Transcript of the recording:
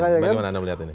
bagaimana anda melihat ini